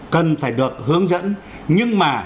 cần phải được hướng dẫn